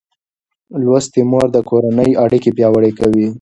لوستې مور د کورنۍ اړیکې پیاوړې کوي.